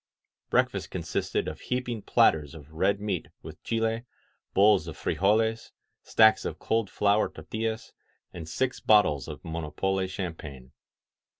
Breakfast consisted of heaping platters of red meat with chiley bowls of frijoleSy stacks of cold flour tortiUaij and six bottles of Monopole Champagne.